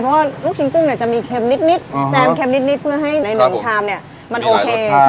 เพราะลูกชิ้นกุ้งมีแซมนิดเพื่อให้เป็นแบบดูโอเค